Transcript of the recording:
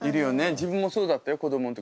自分もそうだったよ子どもん時。